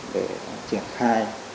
để triển khai